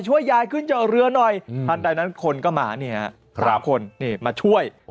ช่วยยายขึ้นเจอเรือหน่อยหลังจากนั้นคนก็มาเนี่ยครับ๓คนมาช่วย